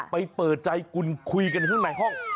เปิดใจคุณคุยกันข้างในห้อง